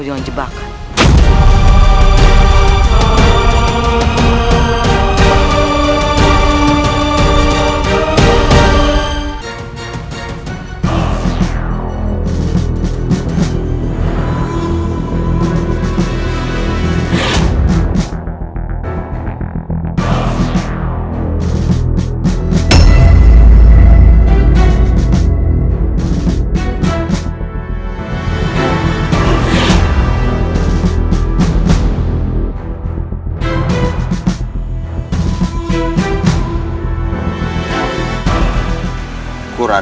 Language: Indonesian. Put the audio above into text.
tidak ada yang bisa kita cari